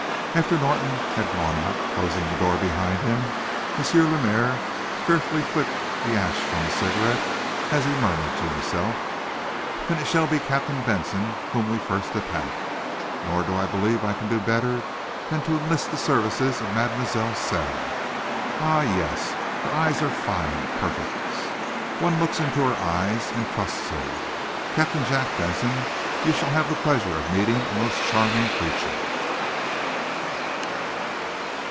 After Norton had gone out, closing the door behind him, M. Lemaire carefully flecked the ash from his cigarette as he murmured to himself: "Then it shall be Captain Benson whom we first attack! Nor do I believe I can do better than to enlist the services of Mademoiselle Sara. Ah, yes! Her eyes are fine perfect. One looks into her eyes, and trusts her. Captain Jack Benson, you shall have the pleasure of meeting a most charming creature!"